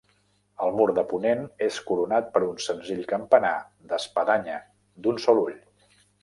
El mur de ponent és coronat per un senzill campanar d'espadanya d'un sol ull.